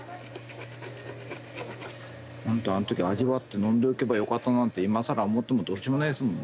ほんとあの時味わって飲んでおけばよかったなんて今更思ってもどうしようもないですもんね。